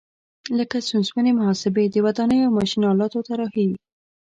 لکه ستونزمنې محاسبې، د ودانیو او ماشین آلاتو طراحي.